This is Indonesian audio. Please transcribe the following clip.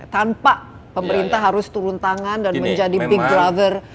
tanpa pemerintah harus turun tangan dan menjadi big driver